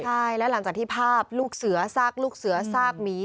ใช่และหลังจากที่ภาพลูกเสือซากลูกเสือซากหมี